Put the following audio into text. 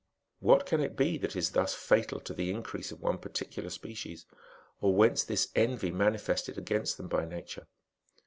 What can it be that is thus fatal t( the increase of one particular species, or whence this env^ manifested against them by Nature